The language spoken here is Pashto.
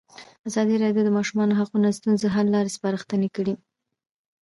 ازادي راډیو د د ماشومانو حقونه د ستونزو حل لارې سپارښتنې کړي.